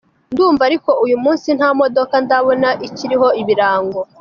Ndumva ariko uyu munsi ntamodoka ndabona ikiriho ibirango.